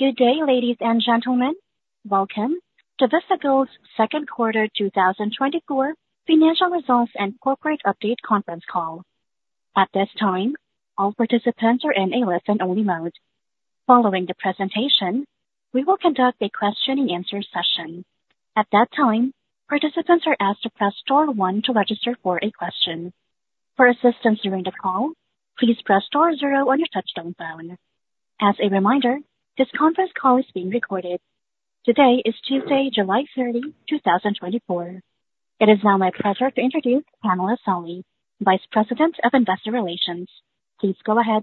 Good day, ladies and gentlemen. Welcome to Vista Gold's second quarter 2024 financial results and corporate update conference call. At this time, all participants are in a listen-only mode. Following the presentation, we will conduct a question-and-answer session. At that time, participants are asked to press star one to register for a question. For assistance during the call, please press star zero on your touch-tone phone. As a reminder, this conference call is being recorded. Today is Tuesday, July 30, 2024. It is now my pleasure to introduce Pamela Solly, Vice President of Investor Relations. Please go ahead.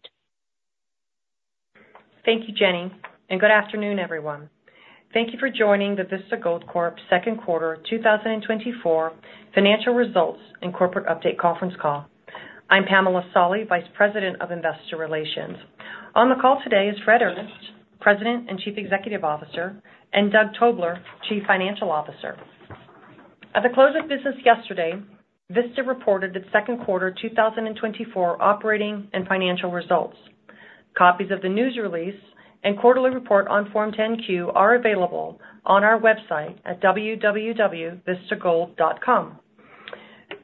Thank you, Jenny, and good afternoon, everyone. Thank you for joining the Vista Gold Corp's second quarter 2024 financial results and corporate update conference call. I'm Pamela Solly, Vice President of Investor Relations. On the call today is Fred Earnest, President and Chief Executive Officer, and Doug Tobler, Chief Financial Officer. At the close of business yesterday, Vista reported its second quarter 2024 operating and financial results. Copies of the news release and quarterly report on Form 10-Q are available on our website at www.vistagold.com.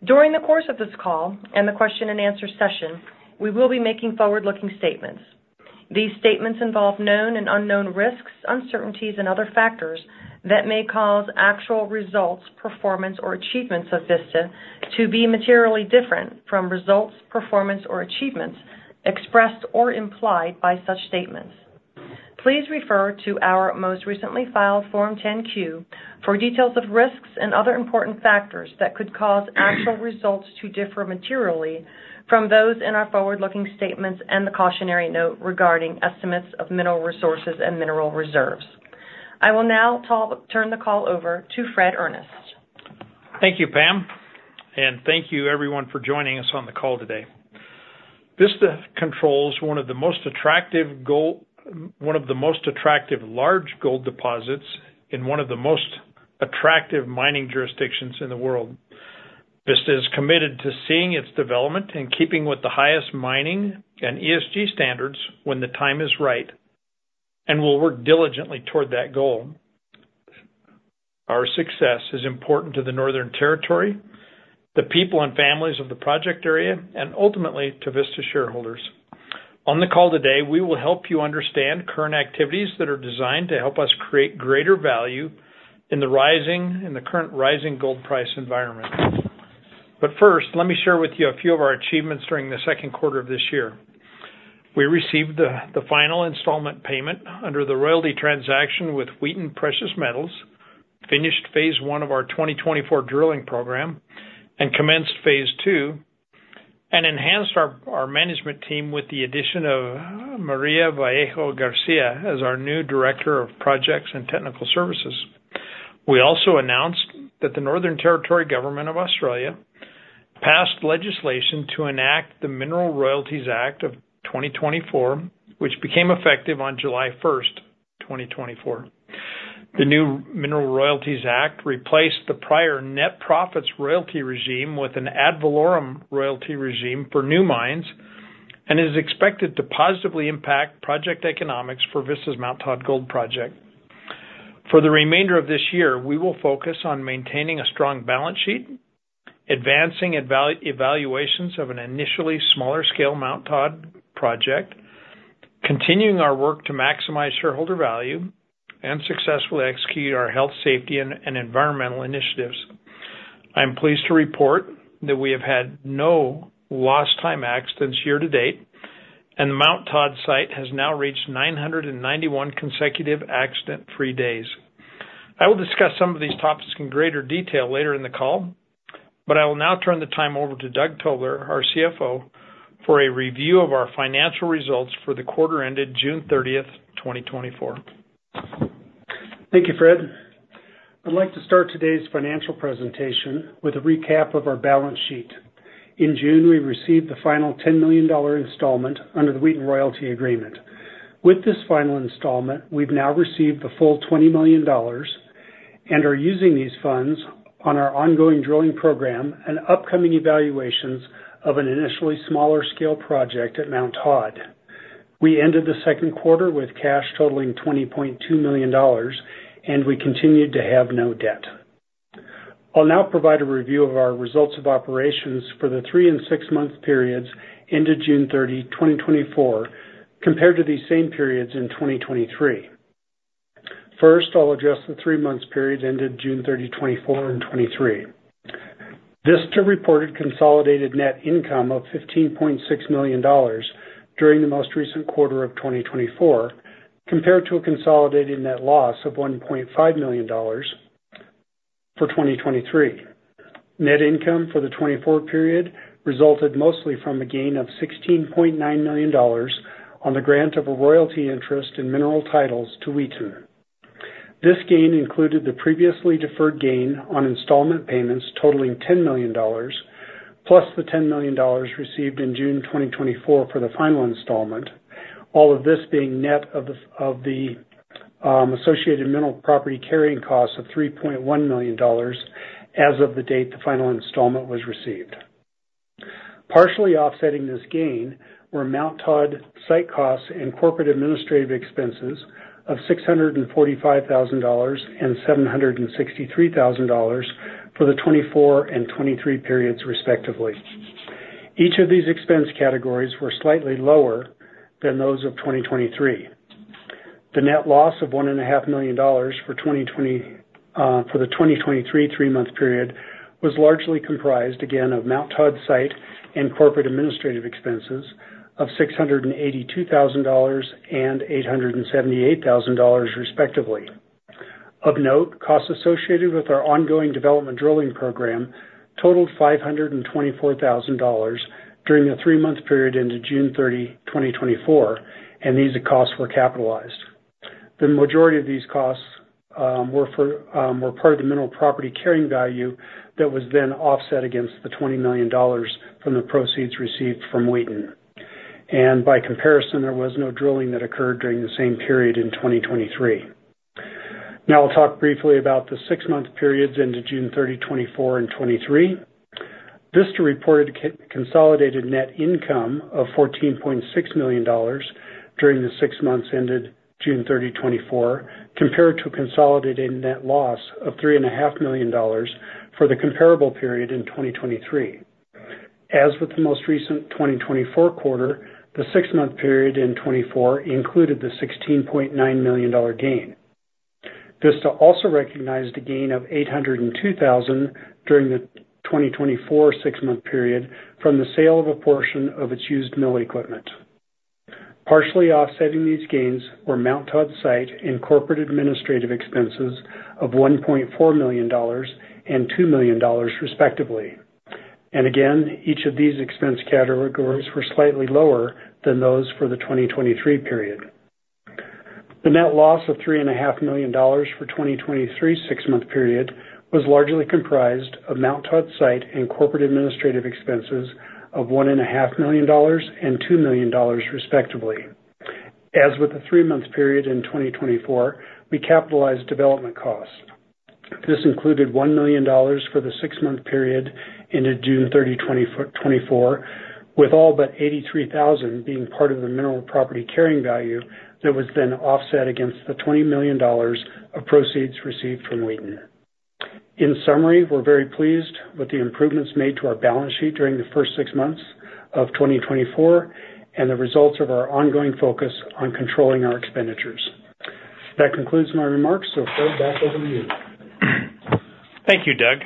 During the course of this call and the question-and-answer session, we will be making forward-looking statements. These statements involve known and unknown risks, uncertainties, and other factors that may cause actual results, performance, or achievements of Vista to be materially different from results, performance, or achievements expressed or implied by such statements. Please refer to our most recently filed Form 10-Q for details of risks and other important factors that could cause actual results to differ materially from those in our forward-looking statements and the cautionary note regarding estimates of mineral resources and mineral reserves. I will now turn the call over to Fred Earnest. Thank you, Pam, and thank you, everyone, for joining us on the call today. Vista controls one of the most attractive gold, one of the most attractive large gold deposits in one of the most attractive mining jurisdictions in the world. Vista is committed to seeing its development and keeping with the highest mining and ESG standards when the time is right, and we'll work diligently toward that goal. Our success is important to the Northern Territory, the people and families of the project area, and ultimately to Vista shareholders. On the call today, we will help you understand current activities that are designed to help us create greater value in the rising, in the current rising gold price environment. But first, let me share with you a few of our achievements during the second quarter of this year. We received the final installment payment under the royalty transaction with Wheaton Precious Metals, finished phase one of our 2024 drilling program, and commenced phase two, and enhanced our management team with the addition of Maria Vallejo Garcia as our new Director of Projects and Technical Services. We also announced that the Northern Territory Government of Australia passed legislation to enact the Mineral Royalties Act of 2024, which became effective on July 1st, 2024. The new Mineral Royalties Act replaced the prior net profits royalty regime with an ad valorem royalty regime for new mines and is expected to positively impact project economics for Vista's Mount Todd Gold Project. For the remainder of this year, we will focus on maintaining a strong balance sheet, advancing evaluations of an initially smaller scale Mount Todd project, continuing our work to maximize shareholder value, and successfully execute our health, safety, and environmental initiatives. I am pleased to report that we have had no lost time accidents year to date, and the Mount Todd site has now reached 991 consecutive accident-free days. I will discuss some of these topics in greater detail later in the call, but I will now turn the time over to Doug Tobler, our CFO, for a review of our financial results for the quarter ended June 30th, 2024. Thank you, Fred. I'd like to start today's financial presentation with a recap of our balance sheet. In June, we received the final $10 million installment under the Wheaton Royalty Agreement. With this final installment, we've now received the full $20 million and are using these funds on our ongoing drilling program and upcoming evaluations of an initially smaller scale project at Mount Todd. We ended the second quarter with cash totaling $20.2 million, and we continued to have no debt. I'll now provide a review of our results of operations for the three- and six-month periods ended June 30, 2024, compared to these same periods in 2023. First, I'll address the three-month period ended June 30, 2024, and 2023. Vista reported consolidated net income of $15.6 million during the most recent quarter of 2024, compared to a consolidated net loss of $1.5 million for 2023. Net income for the 2024 period resulted mostly from a gain of $16.9 million on the grant of a royalty interest in mineral titles to Wheaton. This gain included the previously deferred gain on installment payments totaling $10 million, plus the $10 million received in June 2024 for the final installment, all of this being net of the associated mineral property carrying cost of $3.1 million as of the date the final installment was received. Partially offsetting this gain were Mount Todd site costs and corporate administrative expenses of $645,000 and $763,000 for the 2024 and 2023 periods, respectively. Each of these expense categories were slightly lower than those of 2023. The net loss of $1.5 million for the 2023 three-month period was largely comprised, again, of Mount Todd site and corporate administrative expenses of $682,000 and $878,000, respectively. Of note, costs associated with our ongoing development drilling program totaled $524,000 during the three-month period ended June 30, 2024, and these costs were capitalized. The majority of these costs were part of the mineral property carrying value that was then offset against the $20 million from the proceeds received from Wheaton. By comparison, there was no drilling that occurred during the same period in 2023. Now I'll talk briefly about the six-month periods ended June 30, 2024, and 2023. Vista reported consolidated net income of $14.6 million during the six months ended June 30, 2024, compared to a consolidated net loss of $3.5 million for the comparable period in 2023. As with the most recent 2024 quarter, the six-month period in 2024 included the $16.9 million gain. Vista also recognized a gain of $802,000 during the 2024 six-month period from the sale of a portion of its used mill equipment. Partially offsetting these gains were Mount Todd site and corporate administrative expenses of $1.4 million and $2 million, respectively. And again, each of these expense categories were slightly lower than those for the 2023 period. The net loss of $3.5 million for the 2023 six-month period was largely comprised of Mount Todd site and corporate administrative expenses of $1.5 million and $2 million, respectively. As with the three-month period in 2024, we capitalized development costs. This included $1 million for the six-month period ended June 30, 2024, with all but $83,000 being part of the mineral property carrying value that was then offset against the $20 million of proceeds received from Wheaton. In summary, we're very pleased with the improvements made to our balance sheet during the first six months of 2024 and the results of our ongoing focus on controlling our expenditures. That concludes my remarks, so Fred, back over to you. Thank you, Doug.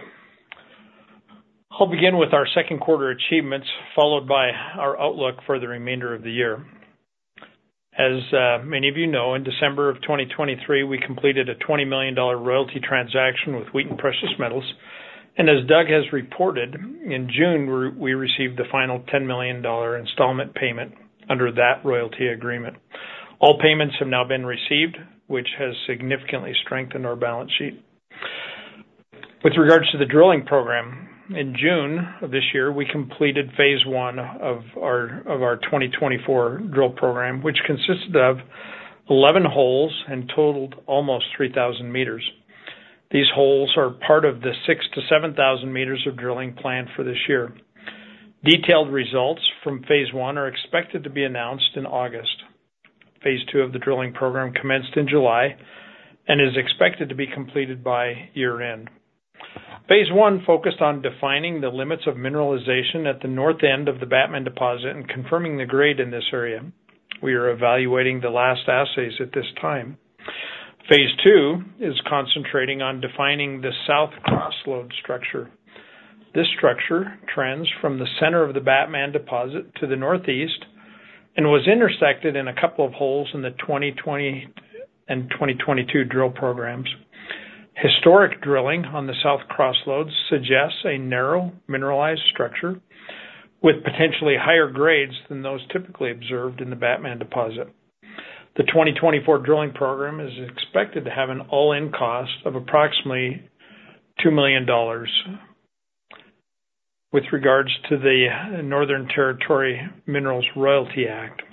I'll begin with our second quarter achievements, followed by our outlook for the remainder of the year. As many of you know, in December of 2023, we completed a $20 million royalty transaction with Wheaton Precious Metals. And as Doug has reported, in June, we received the final $10 million installment payment under that royalty agreement. All payments have now been received, which has significantly strengthened our balance sheet. With regards to the drilling program, in June of this year, we completed phase one of our 2024 drill program, which consisted of 11 holes and totaled almost 3,000 m. These holes are part of the 6,000 m-7,000 m of drilling planned for this year. Detailed results from phase one are expected to be announced in August. Phase two of the drilling program commenced in July and is expected to be completed by year-end. Phase 1 focused on defining the limits of mineralization at the north end of the Batman deposit and confirming the grade in this area. We are evaluating the last assays at this time. Phase 2 is concentrating on defining the South Cross Lode structure. This structure trends from the center of the Batman deposit to the northeast and was intersected in a couple of holes in the 2020 and 2022 drill programs. Historic drilling on the South Cross Lodes suggests a narrow mineralized structure with potentially higher grades than those typically observed in the Batman deposit. The 2024 drilling program is expected to have an all-in cost of approximately $2 million with regards to the Mineral Royalties Act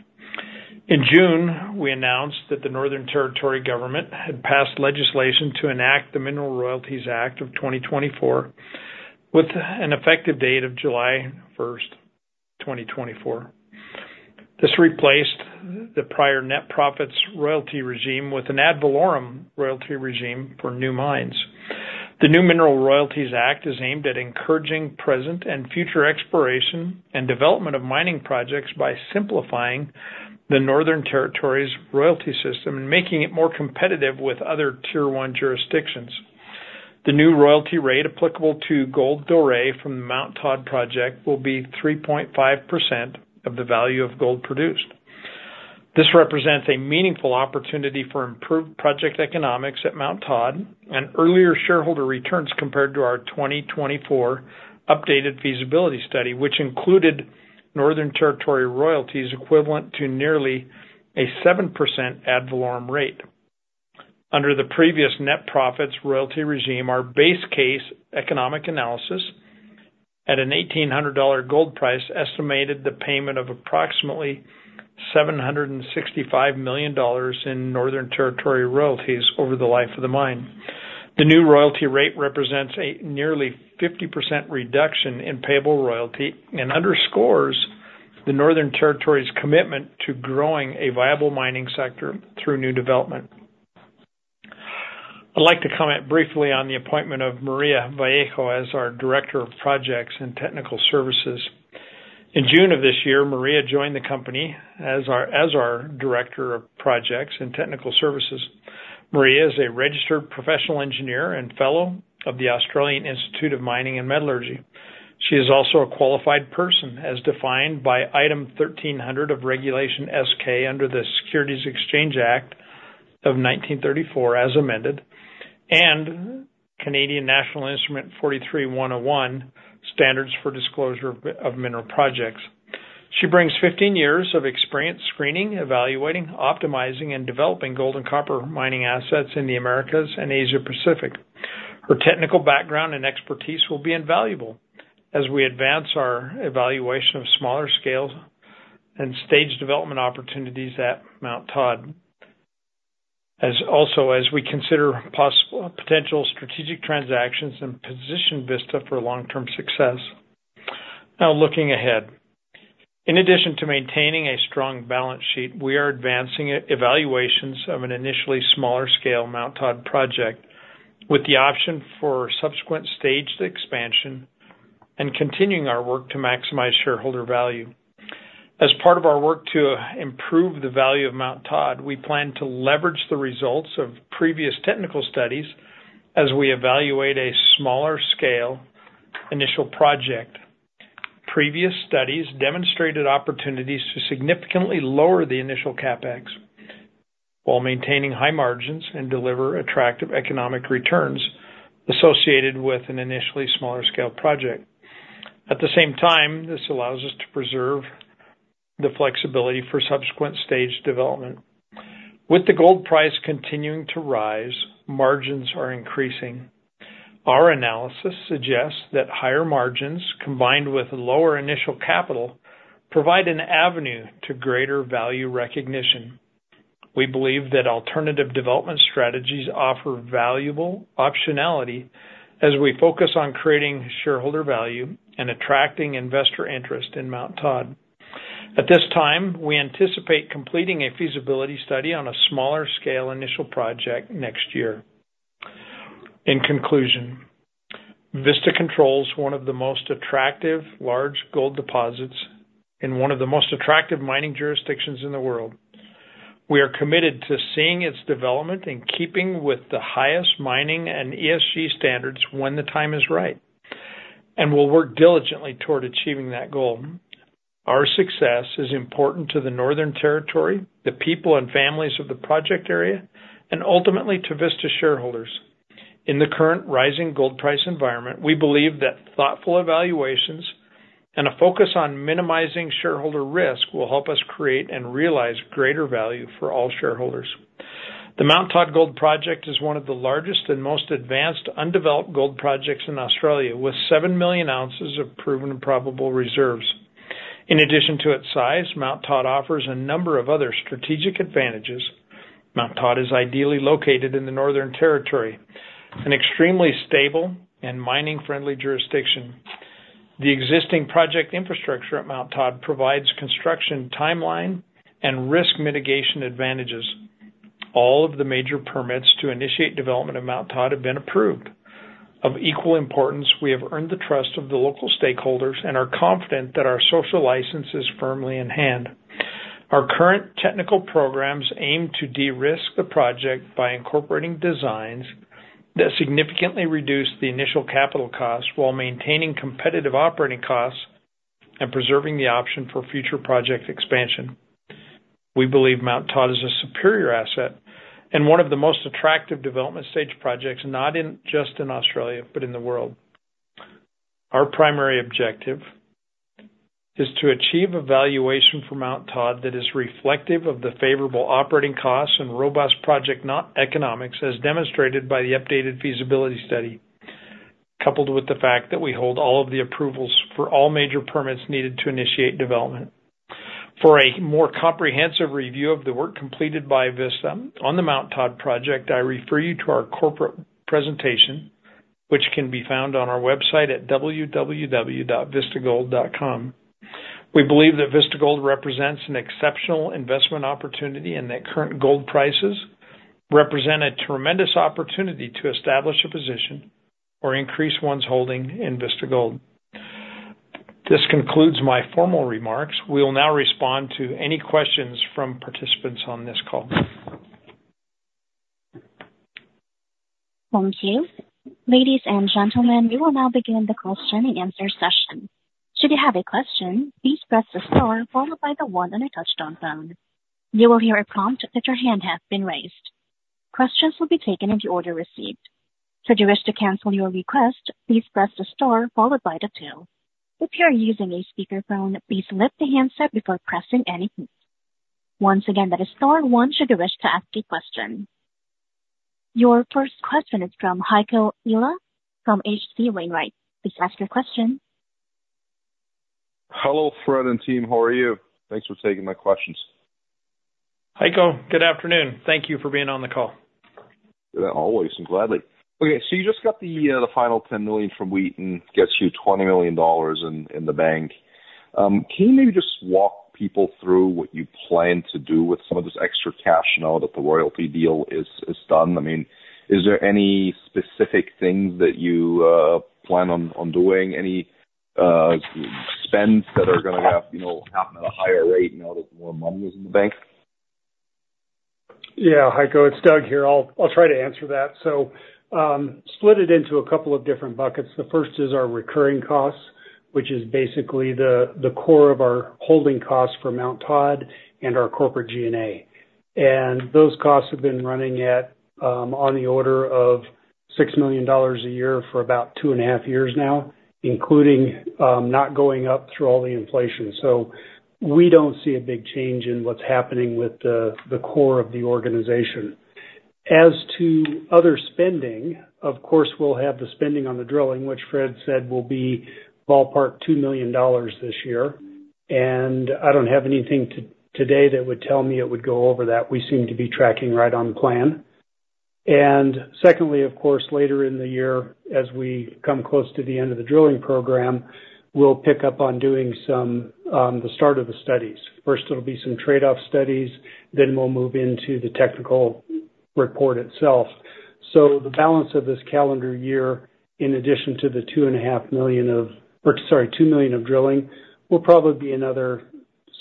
of 2024. In June, we announced that the Northern Territory Government had passed legislation to enact the Mineral Royalties Act of 2024 with an effective date of July 1st, 2024. This replaced the prior net profits royalty regime with an ad valorem royalty regime for new mines. The new Mineral Royalties Act is aimed at encouraging present and future exploration and development of mining projects by simplifying the Northern Territory's royalty system and making it more competitive with other tier one jurisdictions. The new royalty rate applicable to gold doré from the Mount Todd project will be 3.5% of the value of gold produced. This represents a meaningful opportunity for improved project economics at Mount Todd and earlier shareholder returns compared to our 2024 updated feasibility study, which included Northern Territory royalties equivalent to nearly a 7% ad valorem rate. Under the previous net profits royalty regime, our base case economic analysis at an $1,800 gold price estimated the payment of approximately $765 million in Northern Territory royalties over the life of the mine. The new royalty rate represents a nearly 50% reduction in payable royalty and underscores the Northern Territory's commitment to growing a viable mining sector through new development. I'd like to comment briefly on the appointment of Maria Vallejo as our Director of Projects and Technical Services. In June of this year, Maria joined the company as our Director of Projects and Technical Services. Maria is a registered professional engineer and fellow of the Australian Institute of Mining and Metallurgy. She is also a qualified person as defined by Item 1300 of Regulation S-K under the Securities Exchange Act of 1934, as amended, and National Instrument 43-101 standards for disclosure of mineral projects. She brings 15 years of experience screening, evaluating, optimizing, and developing gold and copper mining assets in the Americas and Asia-Pacific. Her technical background and expertise will be invaluable as we advance our evaluation of smaller scale and staged development opportunities at Mount Todd, also as we consider potential strategic transactions and position Vista for long-term success. Now looking ahead, in addition to maintaining a strong balance sheet, we are advancing evaluations of an initially smaller scale Mount Todd project with the option for subsequent staged expansion and continuing our work to maximize shareholder value. As part of our work to improve the value of Mount Todd, we plan to leverage the results of previous technical studies as we evaluate a smaller scale initial project. Previous studies demonstrated opportunities to significantly lower the initial CapEx while maintaining high margins and deliver attractive economic returns associated with an initially smaller scale project. At the same time, this allows us to preserve the flexibility for subsequent staged development. With the gold price continuing to rise, margins are increasing. Our analysis suggests that higher margins combined with lower initial capital provide an avenue to greater value recognition. We believe that alternative development strategies offer valuable optionality as we focus on creating shareholder value and attracting investor interest in Mount Todd. At this time, we anticipate completing a feasibility study on a smaller scale initial project next year. In conclusion, Vista Gold is one of the most attractive large gold deposits and one of the most attractive mining jurisdictions in the world. We are committed to seeing its development and keeping with the highest mining and ESG standards when the time is right, and we'll work diligently toward achieving that goal. Our success is important to the Northern Territory, the people and families of the project area, and ultimately to Vista shareholders. In the current rising gold price environment, we believe that thoughtful evaluations and a focus on minimizing shareholder risk will help us create and realize greater value for all shareholders. The Mount Todd Gold Project is one of the largest and most advanced undeveloped gold projects in Australia, with 7 million oz of proven and probable reserves. In addition to its size, Mount Todd offers a number of other strategic advantages. Mount Todd is ideally located in the Northern Territory, an extremely stable and mining-friendly jurisdiction. The existing project infrastructure at Mount Todd provides construction timeline and risk mitigation advantages. All of the major permits to initiate development of Mount Todd have been approved. Of equal importance, we have earned the trust of the local stakeholders and are confident that our social license is firmly in hand. Our current technical programs aim to de-risk the project by incorporating designs that significantly reduce the initial capital costs while maintaining competitive operating costs and preserving the option for future project expansion. We believe Mount Todd is a superior asset and one of the most attractive development stage projects, not just in Australia, but in the world. Our primary objective is to achieve a valuation for Mount Todd that is reflective of the favorable operating costs and robust project economics, as demonstrated by the updated feasibility study, coupled with the fact that we hold all of the approvals for all major permits needed to initiate development. For a more comprehensive review of the work completed by Vista on the Mount Todd project, I refer you to our corporate presentation, which can be found on our website at www.vistagold.com. We believe that Vista Gold represents an exceptional investment opportunity and that current gold prices represent a tremendous opportunity to establish a position or increase one's holding in Vista Gold. This concludes my formal remarks. We will now respond to any questions from participants on this call. Thank you. Ladies and gentlemen, we will now begin the question and answer session. Should you have a question, please press the star followed by the one on your touchtone phone. You will hear a prompt that your hand has been raised. Questions will be taken in order received. Should you wish to cancel your request, please press the star followed by the two. If you are using a speakerphone, please lift the handset before pressing any key. Once again, that is star one should you wish to ask a question. Your first question is from Heiko Ihle from H.C. Wainwright. Please ask your question. Hello, Fred and team. How are you? Thanks for taking my questions. Heiko, good afternoon. Thank you for being on the call. Always and gladly. Okay, so you just got the final $10 million from Wheaton, gets you $20 million in the bank. Can you maybe just walk people through what you plan to do with some of this extra cash now that the royalty deal is done? I mean, is there any specific things that you plan on doing? Any spends that are going to happen at a higher rate now that more money is in the bank? Yeah, Heiko, it's Doug here. I'll try to answer that. So split it into a couple of different buckets. The first is our recurring costs, which is basically the core of our holding costs for Mount Todd and our corporate G&A. And those costs have been running on the order of $6 million a year for about 2.5 years now, including not going up through all the inflation. So we don't see a big change in what's happening with the core of the organization. As to other spending, of course, we'll have the spending on the drilling, which Fred said will be ballpark $2 million this year. And I don't have anything today that would tell me it would go over that. We seem to be tracking right on plan. Secondly, of course, later in the year, as we come close to the end of the drilling program, we'll pick up on doing some of the start of the studies. First, it'll be some trade-off studies, then we'll move into the technical report itself. So the balance of this calendar year, in addition to the $2.5 million of, or sorry, $2 million of drilling, will probably be another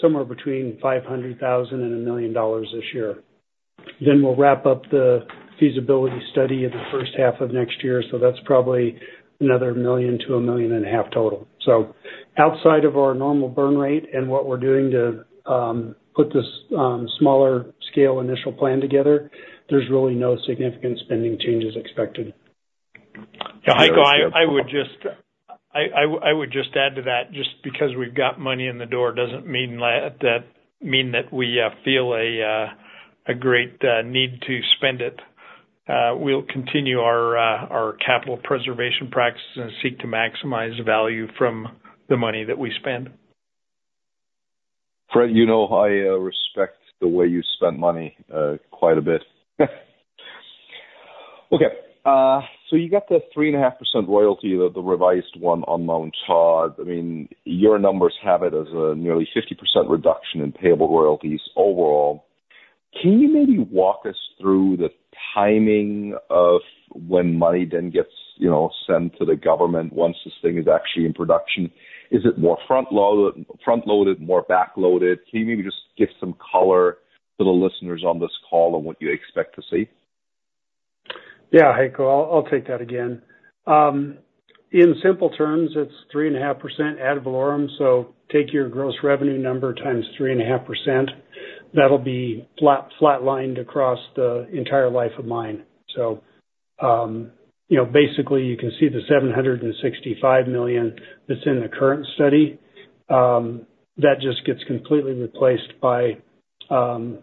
somewhere between $500,000-$1 million this year. Then we'll wrap up the feasibility study in the first half of next year. So that's probably another $1 million-$1.5 million total. So outside of our normal burn rate and what we're doing to put this smaller scale initial plan together, there's really no significant spending changes expected. Heiko, I would just add to that, just because we've got money in the door doesn't mean that we feel a great need to spend it. We'll continue our capital preservation practices and seek to maximize value from the money that we spend. Fred, you know I respect the way you spend money quite a bit. Okay, so you got the 3.5% royalty, the revised one on Mount Todd. I mean, your numbers have it as a nearly 50% reduction in payable royalties overall. Can you maybe walk us through the timing of when money then gets sent to the government once this thing is actually in production? Is it more front-loaded, more back-loaded? Can you maybe just give some color to the listeners on this call on what you expect to see? Yeah, Heiko, I'll take that again. In simple terms, it's 3.5% ad valorem. So take your gross revenue number times 3.5%. That'll be flatlined across the entire life of mine. So basically, you can see the $765 million that's in the current study. That just gets completely replaced by something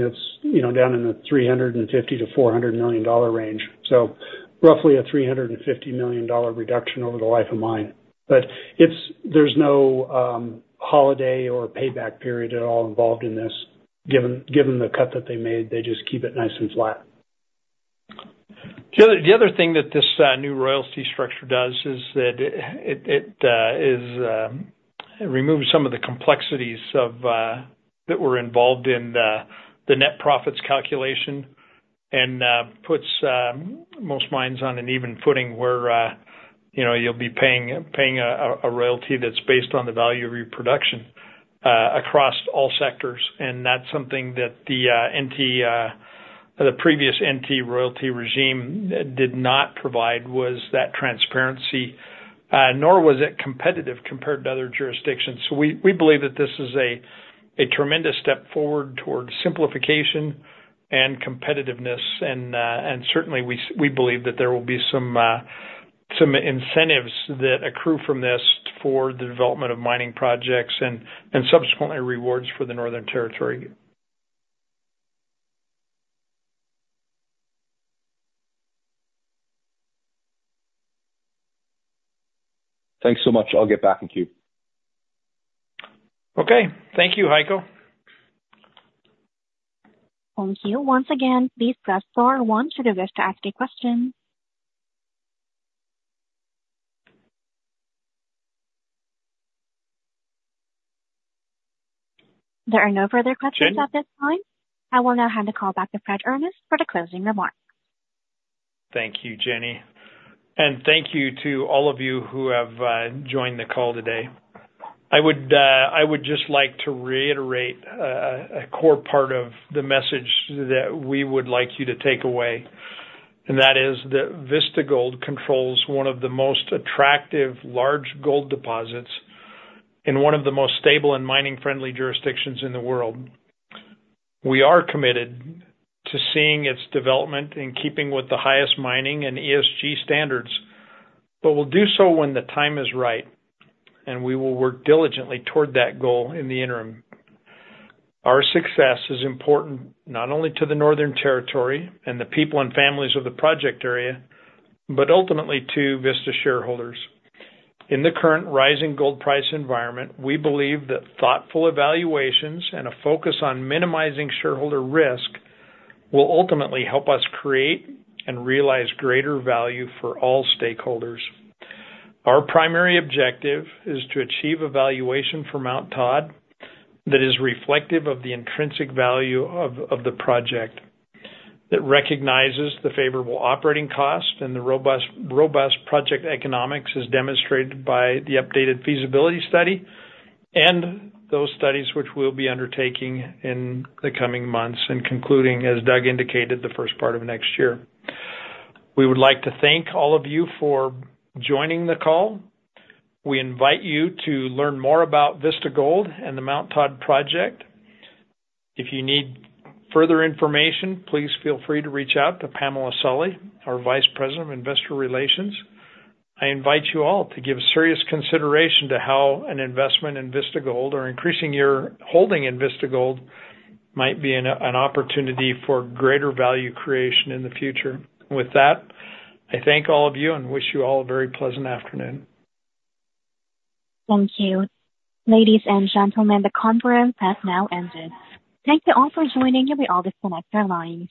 that's down in the $350 million-$400 million range. So roughly a $350 million reduction over the life of mine. But there's no holiday or payback period at all involved in this. Given the cut that they made, they just keep it nice and flat. The other thing that this new royalty structure does is that it removes some of the complexities that were involved in the net profits calculation and puts most minds on an even footing where you'll be paying a royalty that's based on the value of your production across all sectors. And that's something that the previous NT royalty regime did not provide, was that transparency, nor was it competitive compared to other jurisdictions. So we believe that this is a tremendous step forward toward simplification and competitiveness. And certainly, we believe that there will be some incentives that accrue from this for the development of mining projects and subsequently rewards for the Northern Territory. Thanks so much. I'll get back in queue. Okay, thank you, Heiko. Thank you. Once again, please press star one should you wish to ask a question. There are no further questions at this time. I will now hand the call back to Fred Earnest for the closing remarks. Thank you, Jenny. Thank you to all of you who have joined the call today. I would just like to reiterate a core part of the message that we would like you to take away. That is, that Vista Gold controls one of the most attractive large gold deposits and one of the most stable and mining-friendly jurisdictions in the world. We are committed to seeing its development and keeping with the highest mining and ESG standards, but we'll do so when the time is right. We will work diligently toward that goal in the interim. Our success is important not only to the Northern Territory and the people and families of the project area, but ultimately to Vista shareholders. In the current rising gold price environment, we believe that thoughtful evaluations and a focus on minimizing shareholder risk will ultimately help us create and realize greater value for all stakeholders. Our primary objective is to achieve a valuation for Mount Todd that is reflective of the intrinsic value of the project, that recognizes the favorable operating costs and the robust project economics as demonstrated by the updated feasibility study and those studies which we'll be undertaking in the coming months and concluding, as Doug indicated, the first part of next year. We would like to thank all of you for joining the call. We invite you to learn more about Vista Gold and the Mount Todd Project. If you need further information, please feel free to reach out to Pamela Solly, our Vice President of Investor Relations. I invite you all to give serious consideration to how an investment in Vista Gold or increasing your holding in Vista Gold might be an opportunity for greater value creation in the future. With that, I thank all of you and wish you all a very pleasant afternoon. Thank you. Ladies and gentlemen, the conference has now ended. Thank you all for joining and we'll disconnect our lines.